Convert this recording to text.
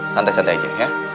santai santai aja ya